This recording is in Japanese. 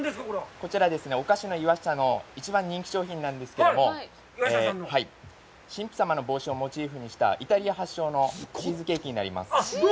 こちらはお菓子のいわしたの一番人気商品なんですけれども、神父様の帽子をモチーフにしたイタリア発祥のチーズケーキになります。